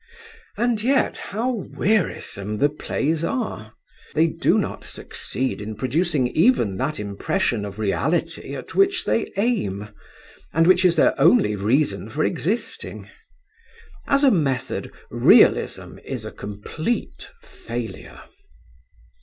And yet how wearisome the plays are! They do not succeed in producing even that impression of reality at which they aim, and which is their only reason for existing. As a method, realism is a complete failure.